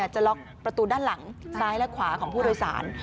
จะล็อกประตูด้านหลังซ้ายและขวาของผู้โดยสาร